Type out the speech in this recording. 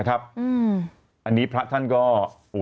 อันนี้พระท่านก็